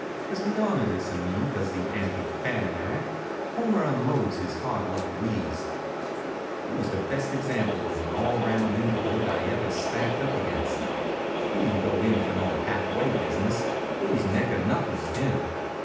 As Leonidas and me does the anti famine act Homer unloads his hard luck wheeze. He was the best example of an all round invalid I ever stacked up against. He didn't go in for no half way business; it was neck or nothing with him.